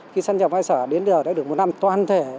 khi sân chồng hai sở đến giờ đã được một năm toàn thể